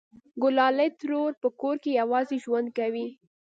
گلالۍ ترور په کور کې یوازې ژوند کوي